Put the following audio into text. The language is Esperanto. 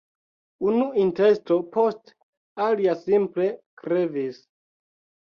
Unu intesto post alia simple krevis.